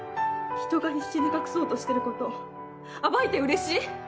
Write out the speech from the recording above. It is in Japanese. ひとが必死に隠そうとしてること暴いてうれしい？